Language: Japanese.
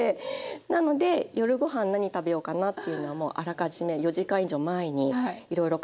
なので夜ご飯何食べようかなっていうのはもうあらかじめ４時間以上前にいろいろ考えるのが楽しくて。